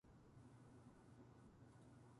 引用先を記載してください